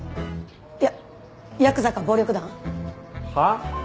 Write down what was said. いやヤクザか暴力団？はあ？